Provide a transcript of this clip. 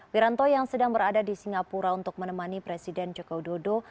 wiranto yang sedang berada di singapura untuk menemani presiden joko widodo